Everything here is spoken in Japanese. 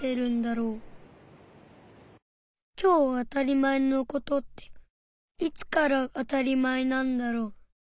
今日あたりまえの事っていつからあたりまえなんだろう？